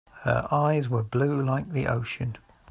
Her eyes were blue like the ocean.